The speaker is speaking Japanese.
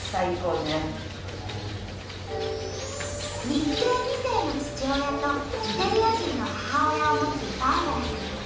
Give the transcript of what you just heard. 日系２世の父親とイタリア人の母親を持つバーバラさん。